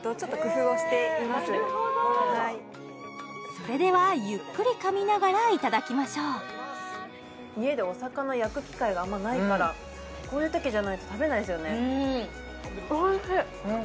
それではゆっくり噛みながらいただきましょう家でお魚焼く機会があんまりないからこういうときじゃないと食べないですよね